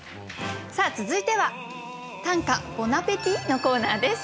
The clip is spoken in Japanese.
さあ続いては「短歌ボナペティ」のコーナーです。